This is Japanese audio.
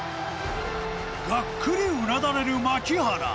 がっくりうなだれる槙原